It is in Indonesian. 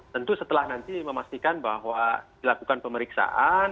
tentu setelah nanti memastikan bahwa dilakukan pemeriksaan